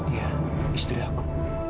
iya istri aku